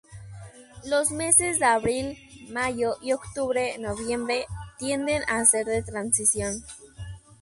Los meses de abril-mayo y octubre-noviembre tienden a ser de transición.